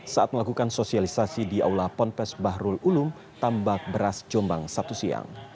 saat melakukan sosialisasi di aula ponpes bahrul ulum tambak beras jombang sabtu siang